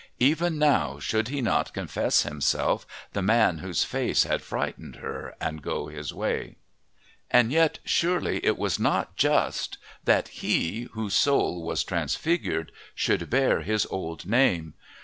Even now, should he not confess himself the man whose face had frightened her, and go his way? And yet, surely, it was not just that he, whose soul was transfigured, should bear his old name.